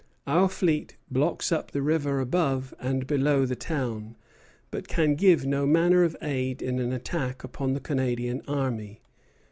Our fleet blocks up the river above and below the town, but can give no manner of aid in an attack upon the Canadian army.